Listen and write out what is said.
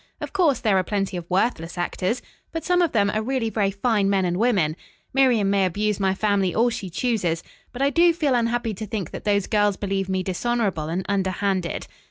Of course, there are plenty of worthless actors, but some of them are really very fine men and women. Miriam may abuse my family all she chooses, but I do feel unhappy to think that those girls believe me dishonorable and under handed."